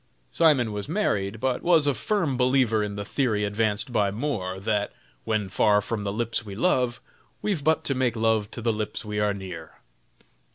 Simon was married, but was a firm believer in the theory advanced by Moore, that "when far from the lips we love, We've but to make love to the lips we are near."